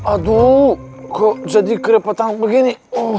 aduh kok jadi kerepotan begini